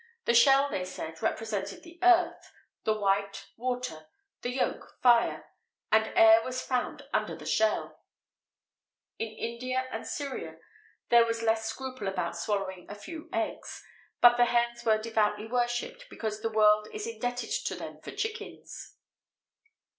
The shell, they said, represented the earth; the white, water; the yolk, fire; and air was found under the shell.[XVIII 65] In India and Syria, there was less scruple about swallowing a few eggs; but the hens were devoutly worshipped, because the world is indebted to them for chickens.